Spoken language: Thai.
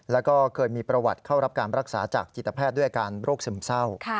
แล้วก็เคยมีประวัติเข้ารับการรักษาจากจิตแพทย์ด้วยอาการโรคซึมเศร้า